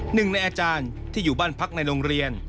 หนึ่งในอาจารย์ที่อยู่บ้านพักในโรงเรียน